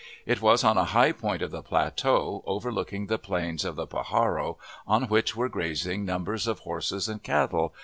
It was on a high point of the plateau, overlooking the plain of the Pajaro, on which were grazing numbers of horses and cattle.